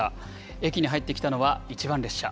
駅に入ってきたのは１番列車。